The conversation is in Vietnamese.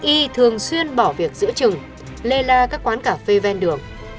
y thường xuyên bỏ việc giữa chừng lây la các quán cà phê ven đường